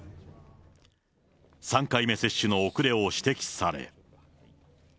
３回目接種の遅れを指摘され。